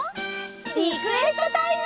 リクエストタイム！